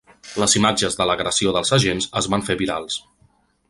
Les imatges de l’agressió dels agents es van fer virals.